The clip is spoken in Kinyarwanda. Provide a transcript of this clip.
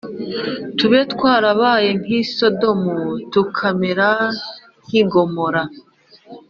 , tuba twarabaye nk’i Sodomu tukamera nk’i Gomora